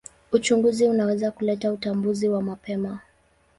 Uchunguzi unaweza kuleta utambuzi wa mapema.